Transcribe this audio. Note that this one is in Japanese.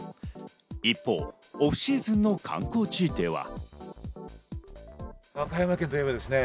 一方、オフシーズンの観光地では。